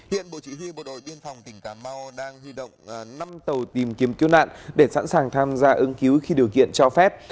hiện bộ chỉ huy bộ đội biên phòng tỉnh cà mau đang huy động năm tàu tìm kiếm cứu nạn để sẵn sàng tham gia ứng cứu khi điều kiện cho phép